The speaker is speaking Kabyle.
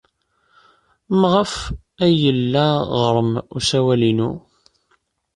Maɣef ay yella ɣer-m usawal-inu?